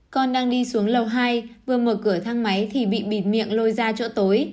con đang đi xuống lầu hai vừa mở cửa thang máy thì bị bịt miệng lôi ra chỗ tối